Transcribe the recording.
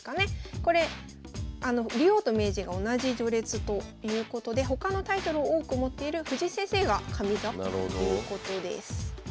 これ竜王と名人が同じ序列ということで他のタイトルを多く持っている藤井先生が上座ということです。